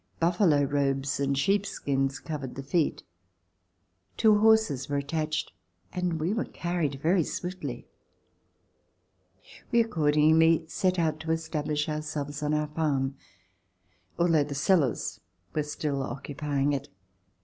Buffalo robes and sheepskins cov ered the feet. Two horses were attached and we were carried very swiftly. We accordingly set out to establish ourselves on our farm, although the sellers were still occupying it.